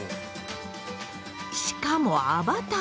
しかもアバター！